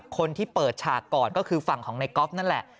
คนที่เปิดฉากก่อนก็คือฝั่งของในก๊อฟนั่นแหละ